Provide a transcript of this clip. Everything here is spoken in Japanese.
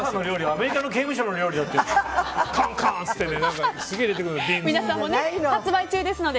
アメリカの刑務所の料理だって言うんですよ。